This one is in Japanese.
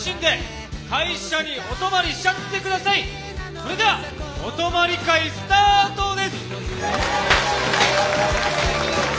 それではお泊まり会スタートです！